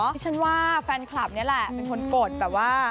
ดิฉันว่าแฟนคลับนี่แหละเป็นคนกดแบบว่า